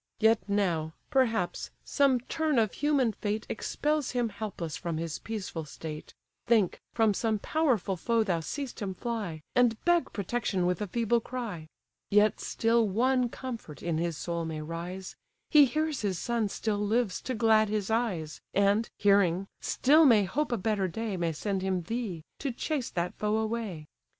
Yet now, perhaps, some turn of human fate Expels him helpless from his peaceful state; Think, from some powerful foe thou seest him fly, And beg protection with a feeble cry. Yet still one comfort in his soul may rise; He hears his son still lives to glad his eyes, And, hearing, still may hope a better day May send him thee, to chase that foe away.